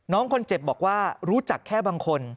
น้องคนเจ็บบอกว่ารู้จักแค่บางคน